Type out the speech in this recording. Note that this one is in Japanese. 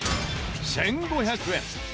５００円